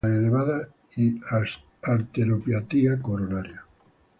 presión arterial elevada y arteriopatía coronaria